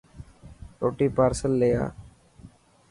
روٽي پارسل لي آءِ.